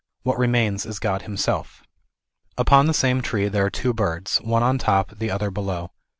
What remains is God himself. Upon the same tree there are two birds, one on top, the other below.